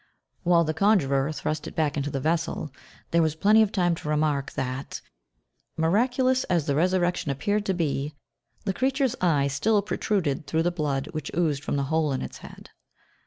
While the conjurer thrust it back into the vessel there was plenty of time to remark that, miraculous as the resurrection appeared to be, the creature's eye still protruded through the blood which oozed from the hole in its head.